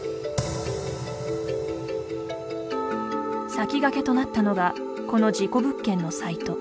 先駆けとなったのがこの事故物件のサイト。